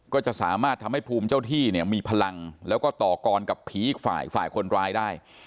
ก็จะสามารถทำให้ภูมิเจ้าที่เนี่ยมีพลังแล้วก็ต่อกรกับผีอีกฝ่ายฝ่ายคนร้ายได้